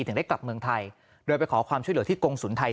ถึงได้กลับเมืองไทยโดยไปขอความช่วยเหลือที่กงศูนย์ไทย